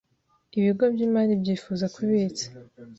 Ibigo by imari byifuza kubitsa